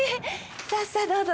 さあさあどうぞ。